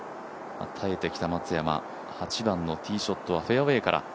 耐えてきた松山、８番のティーショットはフェアウエーから。